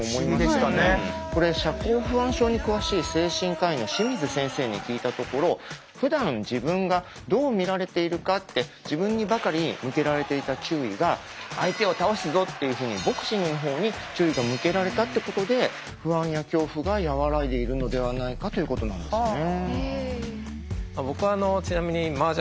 これ社交不安症に詳しい精神科医の清水先生に聞いたところふだん自分がどう見られているかって自分にばかり向けられていた注意が相手を倒すぞっていうふうにボクシングの方に注意が向けられたってことで不安や恐怖が和らいでいるのではないかということなんですね。